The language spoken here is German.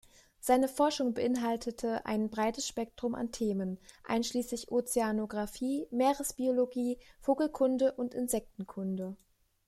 Seine Forschung beinhaltete ein breites Spektrum an Themen, einschließlich Ozeanografie, Meeresbiologie, Vogelkunde und Insektenkunde.